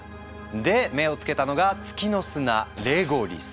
で目を付けたのが月の砂「レゴリス」。